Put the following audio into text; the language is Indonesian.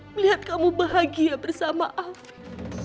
melihat kamu bahagia bersama aku